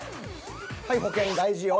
はい保険大事よ。